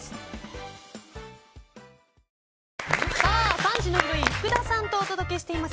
３時のヒロイン福田さんとお届けしています